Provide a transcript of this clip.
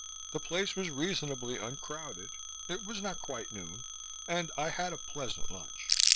The place was reasonably uncrowded it was not quite noon and I had a pleasant lunch.